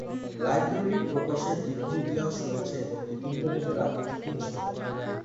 Library প্রকাশের দীর্ঘ ইতিহাস রয়েছে এবং এটি ইন্টারনেটের আগে থেকেই ছিল।